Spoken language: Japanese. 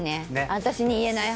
私に言えない話。